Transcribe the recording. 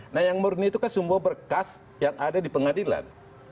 nah yang murni itu kan semua berkas yang ada di pengadilan